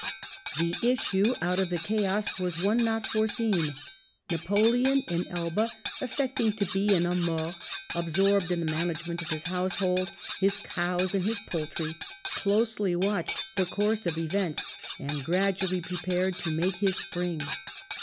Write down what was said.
The issue out of the chaos was one not foreseea Napoleon in Elba, affecting to be an hrniiM mori, absorbed in the management of his household, his cows, and his poultry, closely watehed the course of events, and gradually prepared to make his spring.